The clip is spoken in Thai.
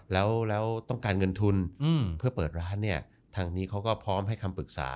แล้วต้องการเงินทุนเพื่อเปิดร้านเนี่ยทางนี้เขาก็พร้อมให้คำปรึกษา